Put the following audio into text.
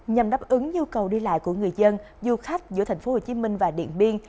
nhằm đáp ứng nhu cầu đi lại của người dân du khách giữa tp hcm và điện biên